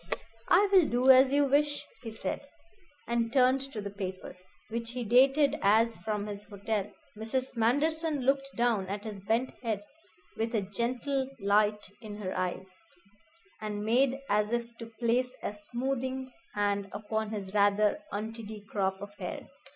"I will do as you wish," he said, and turned to the paper, which he dated as from his hotel. Mrs. Manderson looked down at his bent head with a gentle light in her eyes, and made as if to place a smoothing hand upon his rather untidy crop of hair.